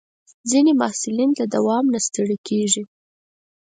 ځینې محصلین د دوام نه ستړي کېږي.